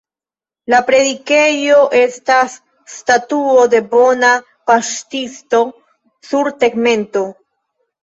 La predikejo estas Statuo de Bona Paŝtisto sur tegmento.